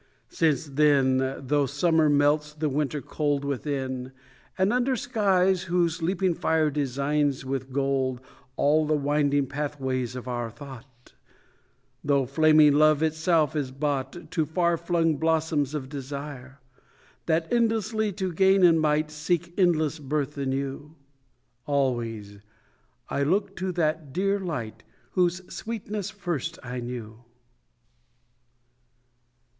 Since then, though summer melts the winter cold Within, and under skies whose leaping fire Designs with gold All the winding pathways of our thought; Though flaming love itself is brought To far flung blossoms of desire, That endlessly, to gain in might, Seek endless birth anew; Always I look to that dear light Whose sweetness first I knew.